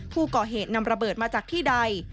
ผู้ก่อเหตุนำระเบิดมาจากที่ใด